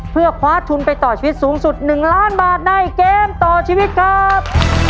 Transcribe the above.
เพื่อคว้าทุนไปต่อชีวิตสูงสุด๑ล้านบาทในเกมต่อชีวิตครับ